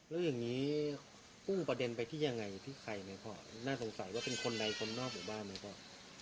แล้วอย่างนี้พุ่งประเด็นไปที่ยังไงที่ใครไหมพ่อน่าสงสัยว่าเป็นคนใดคนนอกหมู่บ้านไหมพ่อ